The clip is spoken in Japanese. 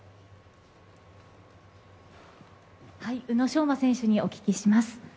宇野昌磨選手にお聞きします。